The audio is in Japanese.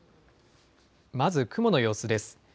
まず雲の様子です。